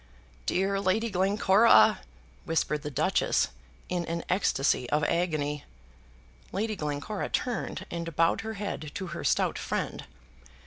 "Dear Lady Glencora," whispered the Duchess, in an ecstasy of agony. Lady Glencora turned and bowed her head to her stout friend.